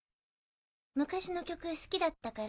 昔の曲好きだったから。